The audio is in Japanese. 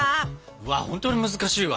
うわっほんとに難しいわ。